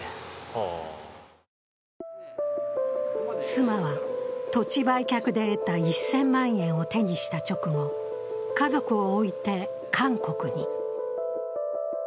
妻は土地売却で得た１０００万円を手にした直後、家族を置いて韓国に。